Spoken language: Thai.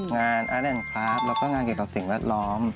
งานอาแลนด์ครับแล้วก็งานเกี่ยวกับสิ่งแวดล้อม